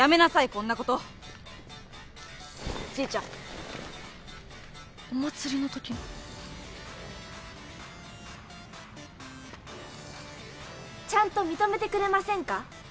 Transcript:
こんなことちーちゃんお祭りのときのちゃんと認めてくれませんか？